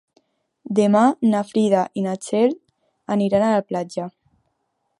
Demà na Frida i na Txell aniran a la platja.